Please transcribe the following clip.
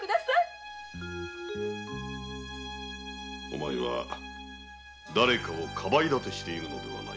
お前はだれかをかばい立てしているのでは？